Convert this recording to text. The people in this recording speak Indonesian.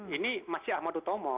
ini masih ahmadutomor